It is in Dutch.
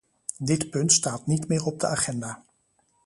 Dit punt staat niet meer op de agenda.